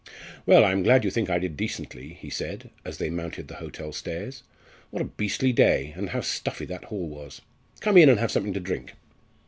"Well, I'm glad you think I did decently," he said, as they mounted the hotel stairs. "What a beastly day, and how stuffy that hall was! Come in and have something to drink."